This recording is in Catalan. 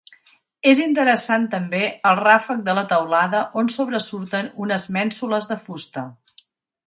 És interessant també el ràfec de la teulada on sobresurten unes mènsules de fusta.